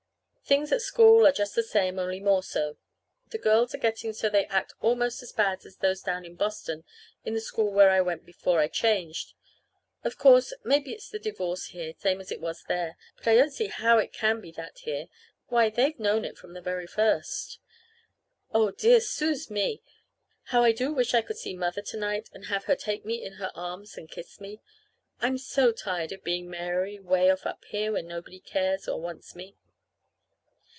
Things at school are just the same, only more so. The girls are getting so they act almost as bad as those down to Boston in the school where I went before I changed. Of course, maybe it's the divorce here, same as it was there. But I don't see how it can be that here. Why, they've known it from the very first! Oh, dear suz me! How I do wish I could see Mother to night and have her take me in her arms and kiss me. I'm so tired of being Mary 'way off up here where nobody cares or wants me.